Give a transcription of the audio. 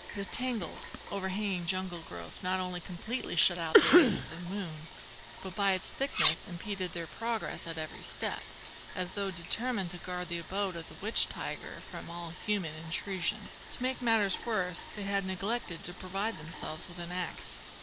The tangled, overhanging jungle growth not only completely shut out the rays of the moon, but by its thickness impeded their progress at every step, as though determined to guard the abode of the witch tiger from all human intrusion. To make matters worse, they had neglected to provide themselves with an axe.